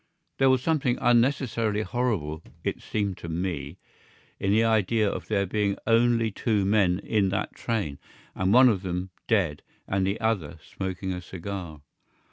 There was something unnecessarily horrible, it seemed to me, in the idea of there being only two men in that train, and one of them dead and the other smoking a cigar.